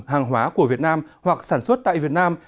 hàng hóa của việt nam hoặc sản xuất tại việt nam